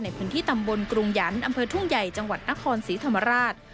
ในพื้นที่ตำบลกรุงหยันต์อำเภอทุ่งใหญ่จังหวัดนครศรีธรรมราช